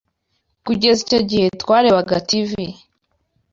Kugeza icyo gihe, twarebaga TV.